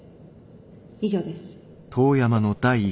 以上です。